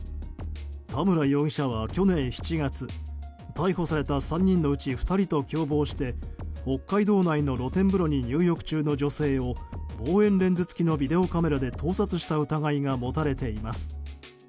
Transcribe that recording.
田村容疑者は去年７月逮捕された３人のうち２人と共謀して北海道内の露天風呂に入浴中の女性を望遠レンズ付きビデオカメラで盗撮した疑いが持たれています。